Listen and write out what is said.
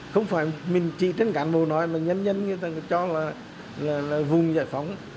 không phải mình chỉ trên cán bộ nói mà nhân dân người ta cho là vùng giải phóng